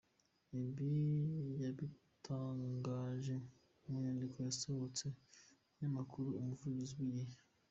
Ibi yabitangaje mu nyandiko yasohotse mu binyamakuru « Umuvugizi » n’« Igihe ».